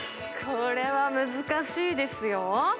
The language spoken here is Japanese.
これは難しいですよ。